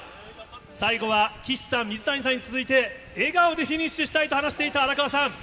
最後は岸さん、水谷さんに続いて、笑顔でフィニッシュしたいと話していた荒川さん。